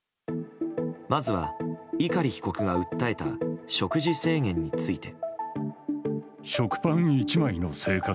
まずは、碇被告が訴えた食事制限について。